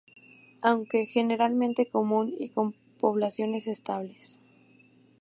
Aunque generalmente común y con poblaciones estables.